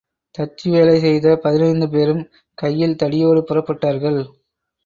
தச்சு வேலை செய்த பதினைந்து பேரும் கையில்தடியோடு புறப்பட்டார்கள்.